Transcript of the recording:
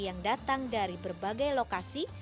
yang datang dari berbagai lokasi